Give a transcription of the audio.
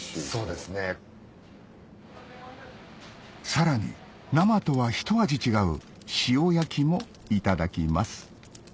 さらに生とはひと味違う塩焼きもいただきます